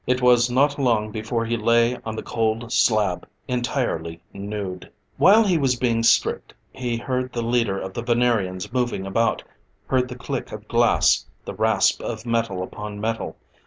It was not long before he lay on the cold slab, entirely nude. While he was being stripped, he heard the leader of the Venerians moving about, heard the click of glass, the rasp of metal upon metal.